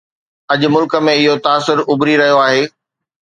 اڄ ملڪ ۾ اهو تاثر اڀري رهيو آهي